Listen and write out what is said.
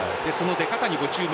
出方にご注目。